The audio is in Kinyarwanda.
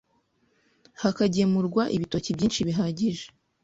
hakagemurwa ibitoki byinshi bihagije